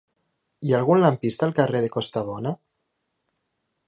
Hi ha algun lampista al carrer de Costabona?